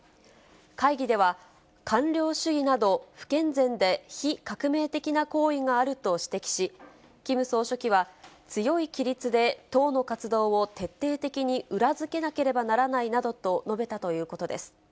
会議では、官僚主義など不健全で非革命的な行為があると指摘し、キム総書記は、強い規律で党の活動を徹底的に裏付けなければならないなどと述べたということです。